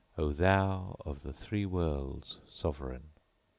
* O THOU OF THE THREE WORLDS SOVEREIGN!